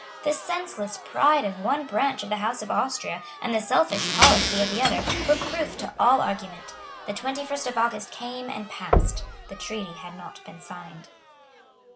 The senseless pride of one branch of the House of Austria and the selfish policy of the other were proof to all argument. The twenty first of August came and passed; the treaty had not been signed.